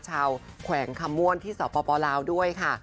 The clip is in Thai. ชาวแขวงคำมวลที่เสาปปลาวด้วยค่ะ